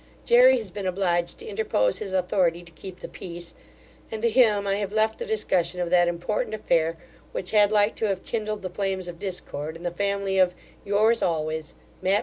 Jery has been obliged to interpose his authority to keep the peace, and to him I have left the discussion of that important affair, which had like to have kindled the flames of discord in the family of Yours always, MATT.